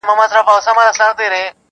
موږ اصیل یو د اصیل نیکه زامن یو -